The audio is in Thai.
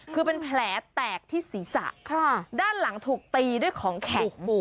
คือเป็นแผลแตกที่ศีรษะด้านหลังถูกตีด้วยของแข็ง